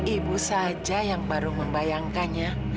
ibu saja yang baru membayangkannya